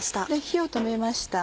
火を止めました